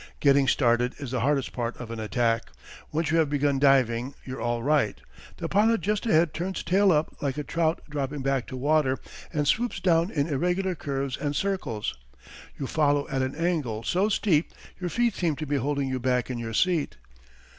Getting started is the hardest part of an attack. Once you have begun diving you're all right. The pilot just ahead turns tail up like a trout dropping back to water, and swoops down in irregular curves and circles. You follow at an angle so steep your feet seem to be holding you back in your seat.